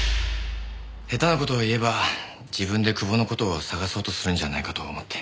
下手な事を言えば自分で久保の事を捜そうとするんじゃないかと思って。